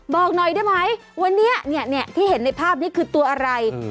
บอกหน่อยได้ไหมวันนี้ที่เห็นในภาพนี้คือตัวอะไร